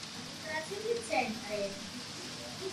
ჩუის ოლქის ადმინისტრაციული ცენტრი.